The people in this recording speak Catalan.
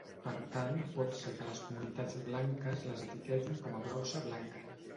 Per tant, pot ser que les comunitats blanques les etiquetin com a brossa blanca.